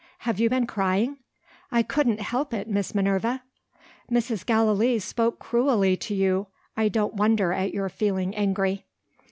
"Have you been crying?" "I couldn't help it, Miss Minerva." "Mrs. Gallilee spoke cruelly to you I don't wonder at your feeling angry."